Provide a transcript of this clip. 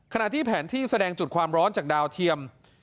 ขณะที่แผนที่แสดงจุดความร้อนจากดาวเทียม